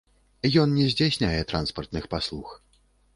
Ён не здзяйсняе транспартных паслуг.